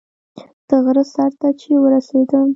د غره سر ته چې ورسېدم.